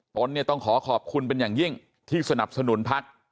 ตนเนี่ยต้องขอขอบคุณเป็นอย่างยิ่งที่สนับสนุนพัก